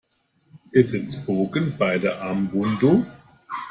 It is spoken by the Ambundu.